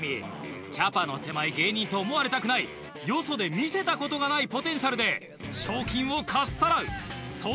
キャパの狭い芸人と思われたくないよそで見せたことがないポテンシャルで賞金をかっさらう！